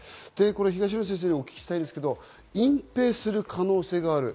東野先生にお聞きしたいのですが、隠蔽する可能性がある。